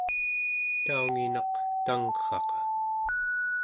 taunginaq tangrraqa